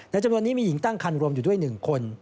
จำนวนนี้มีหญิงตั้งคันรวมอยู่ด้วย๑คน